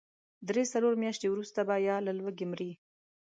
درې، څلور مياشتې وروسته به يا له لوږې مري.